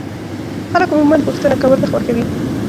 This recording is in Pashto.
خلک عموما پوښتنه کول نه خوښوي.